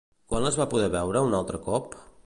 Quan les va poder veure un altre cop?